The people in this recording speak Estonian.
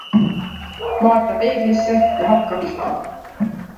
Vaata peeglisse ja hakka pihta.